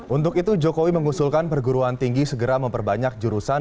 untuk itu jokowi mengusulkan perguruan tinggi segera memperbanyak jurusan